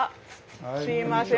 すいません。